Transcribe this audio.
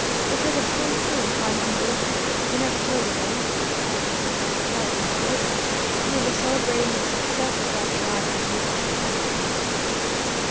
The herd had come through in fine condition. We never told him anything about this until the cattle were delivered, and we were celebrating the success of that drive at a near by town.